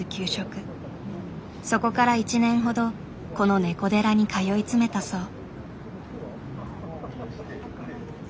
そこから１年ほどこのねこ寺に通い詰めたそう。